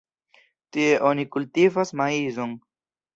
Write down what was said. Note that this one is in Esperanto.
Tie oni kultivas maizon.